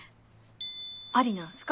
ありなんすか？